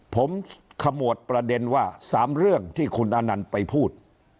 ผมขมวดประเด็นว่า๓เรื่องที่คุณอนันต์ไปพูด